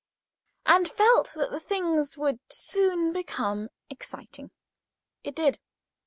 and felt that the thing would soon become exciting. It did.